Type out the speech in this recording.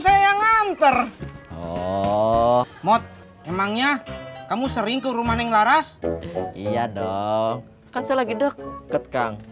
saya yang nganter oh mod emangnya kamu sering ke rumah yang laras iya dong kan saya lagi deket